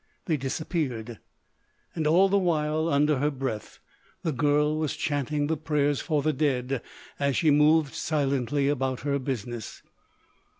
They disappeared. And all the while, under her breath, the girl was chanting the Prayers for the Dead as she moved silently about her business.